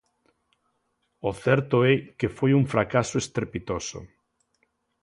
O certo é que foi un fracaso estrepitoso.